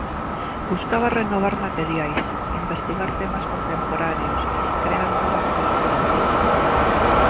Buscaba renovar materiais, investigar temas contemporáneos, crear novas melodías.